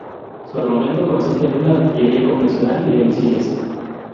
Su armamento consiste de artillería convencional y de misiles.